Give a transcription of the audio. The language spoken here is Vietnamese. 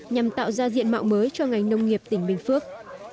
nhằm tạo ra diện mạo mới cho ngành nông nghiệp tỉnh bình phước